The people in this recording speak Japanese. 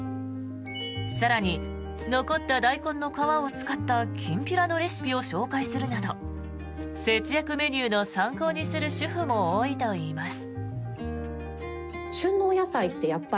更に残ったダイコンの皮を使ったきんぴらのレシピを紹介するなど節約メニューの参考にする主婦も多いといいます。